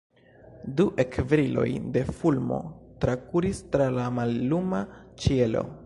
Du ekbriloj de fulmo trakuris tra la malluma ĉielo.